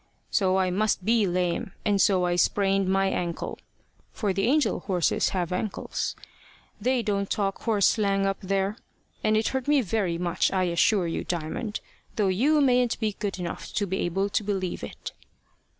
So I must be lame, and so I sprained my ankle for the angel horses have ankles they don't talk horse slang up there and it hurt me very much, I assure you, Diamond, though you mayn't be good enough to be able to believe it."